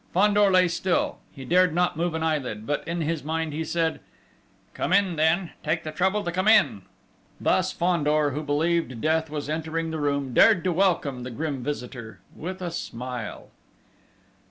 Fandor lay still he dared not move an eyelid; but in his mind he said: "Come in, then! Take the trouble to come in!" Thus Fandor, who believed Death was entering the room, dared to welcome the grim visitor with a smile!